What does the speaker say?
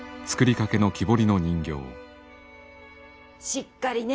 しっかりね。